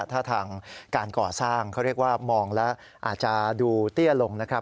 ถ้าทางการก่อสร้างเขาเรียกว่ามองแล้วอาจจะดูเตี้ยลงนะครับ